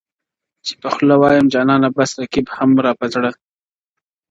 چي په خوله وایم جانان بس رقیب هم را په زړه,